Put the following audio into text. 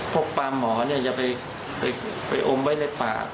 พวกปลาหมอเนี่ยอย่าไปอมไว้ในปาก